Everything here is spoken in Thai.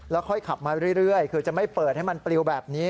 ค่อยขับมาเรื่อยคือจะไม่เปิดให้มันปลิวแบบนี้